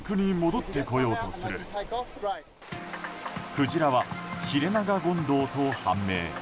クジラはヒレナガゴンドウと判明。